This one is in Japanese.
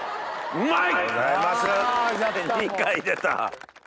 うまい！